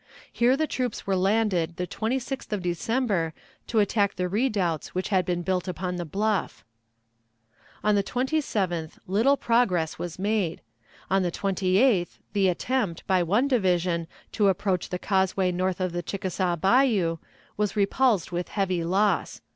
Here the troops were landed the 26th of December to attack the redoubts which had been built upon the bluff. On the 27th little progress was made. On the 28th the attempt, by one division, to approach the causeway north of the Chickasaw Bayou, was repulsed with heavy loss.